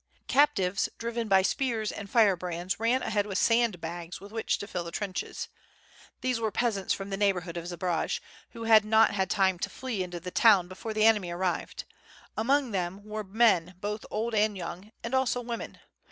Captives driven by spears and firebrands ran ahead with sand bags with which to fill the trenches. These were pea sants from the neighborhood of Zbaraj who had not had time to flee into the town before the enemy arrived, among them were men both old and young, and also women.